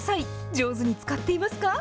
上手に使っていますか？